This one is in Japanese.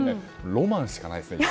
ロマンしかないですね。